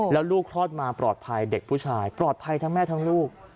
แล้วลูกคลอดมาปลอดภัยเด็กผู้ชายปลอดภัยทั้งแม่ทั้งลูก